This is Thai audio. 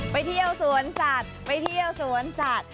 ไปเที่ยวสวนสัตว์ไปเที่ยวสวนสัตว์